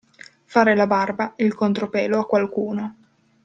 Fare la barba e il contropelo a qualcuno.